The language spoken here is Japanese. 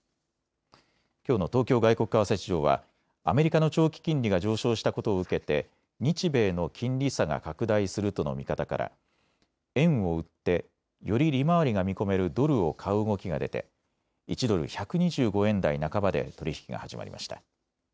きょうの東京外国為替市場はアメリカの長期金利が上昇したことを受けて日米の金利差が拡大するとの見方から円を売ってより利回りが見込めるドルを買う動きが出て１ドル１２５円台半ばで取り引きが始まりました。